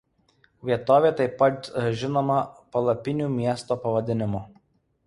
Vietovė taip pat žinoma „Palapinių miesto“ pavadinimu.